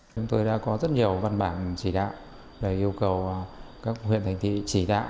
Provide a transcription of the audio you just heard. chúng tôi đã có rất nhiều văn bản chỉ đạo để yêu cầu các huyện thành thị chỉ đạo